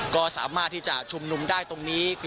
ก็สามารถที่จะชุมนุมได้ตรงนี้